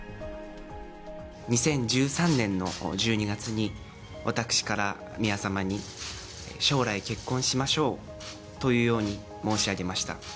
２０１３年の１２月に、私から宮さまに、将来、結婚しましょうというように申し上げました。